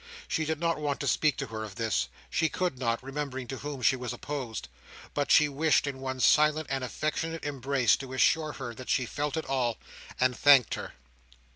She did not want to speak to her of this—she could not, remembering to whom she was opposed—but she wished, in one silent and affectionate embrace, to assure her that she felt it all, and thanked her.